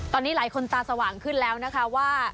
ตอนนี้หลายคนตาสว่างขึ้นแล้วนะคะว่า